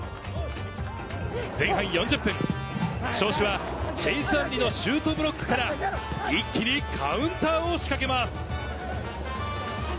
前半４０分、尚志はチェイス・アンリのシュートブロックから一気にカウンターを仕掛けます。